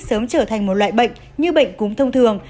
sớm trở thành một loại bệnh như bệnh cúm thông thường